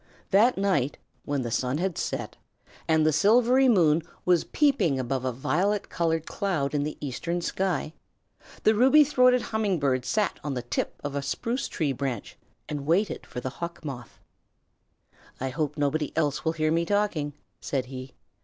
That night, when the sun had set and the silvery moon was peeping above a violet colored cloud in the eastern sky, the Ruby throated Humming Bird sat on the tip of a spruce tree branch and waited for the Hawk Moth. "I hope nobody else will hear me talking," said he.